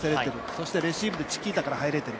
そして、レシーブでチキータから入れている。